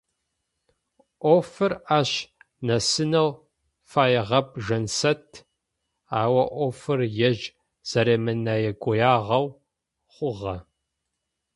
Ӏофыр ащ нэсынэу фэягъэп Жансэт, ау ӏофыр ежь зэремынэгуягъэу хъугъэ.